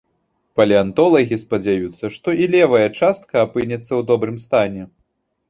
Палеантолагі спадзяюцца, што і левая частка апынецца ў добрым стане.